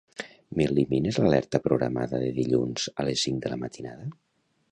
M'elimines l'alerta programada de dilluns a les cinc de la matinada?